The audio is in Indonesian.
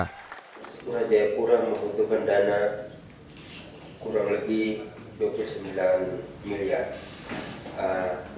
persipura jayapura membutuhkan dana kurang lebih dua puluh sembilan miliar